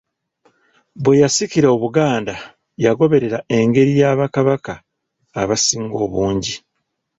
Bwe yasikira Obuganda yagoberera engeri ya Bakabaka abasinga obungi.